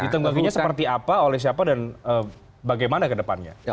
ditenggapinya seperti apa oleh siapa dan bagaimana ke depannya